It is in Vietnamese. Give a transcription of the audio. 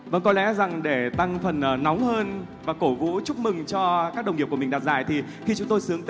vâng có lẽ để tăng phần nóng hơn và cổ vũ chúc mừng cho các đồng nghiệp của mình đạt giải